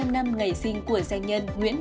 hai trăm linh năm ngày sinh của danh nhân nguyễn đức